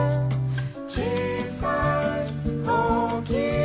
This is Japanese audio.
「ちいさい？おおきい？